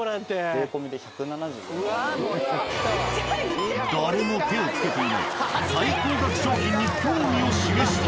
税込みで誰も手をつけていない最高額商品に興味を示した。